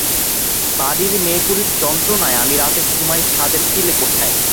বাড়ির মেয়েগুলির যন্ত্রণায় আমি রাতে ঘুমাই ছাদের চিলেকোঠায়।